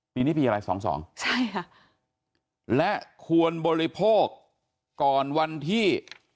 ปีนี้ปีอะไรสองสองใช่ค่ะและควรบริโภคก่อนวันที่